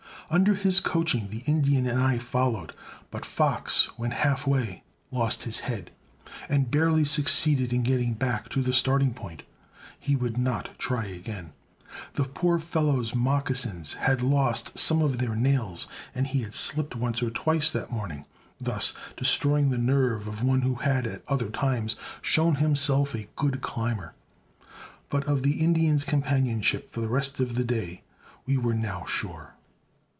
Under his coaching the Indian and I followed; but Fox, when half way, lost his head, and barely succeeded in getting back to the starting point. He would not try again. The poor fellow's moccasins had lost some of their nails and he had slipped once or twice that morning, thus destroying the nerve of one who had at other times shown himself a good climber. But of the Indian's companionship for the rest of the day we were now sure.